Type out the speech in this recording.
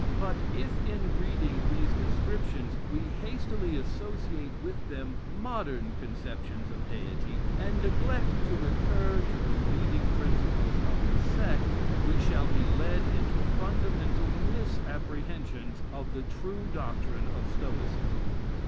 But if in reading these descriptions, we hastily associate with them modern conceptions of Deity, and neglect to recur to the leading principles of the sect, we shall be led into fundamental misapprehensions of the true doctrine of Stoicism.